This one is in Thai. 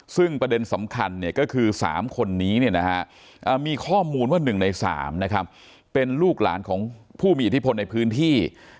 ซึ่งประเด็นสำคัญก็คือ๓คนนี้มีข้อมูลว่า๑ใน๓เป็นลูกหลานของผู้มีอิทธิพลในพื้นที่